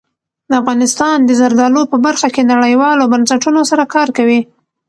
افغانستان د زردالو په برخه کې نړیوالو بنسټونو سره کار کوي.